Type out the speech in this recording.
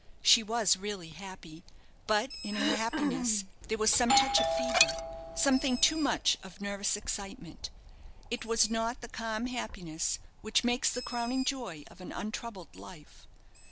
She was really happy, but in her happiness there was some touch of fever, something too much of nervous excitement. It was not the calm happiness which makes the crowning joy of an untroubled life.